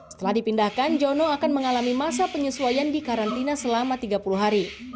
setelah dipindahkan jono akan mengalami masa penyesuaian di karantina selama tiga puluh hari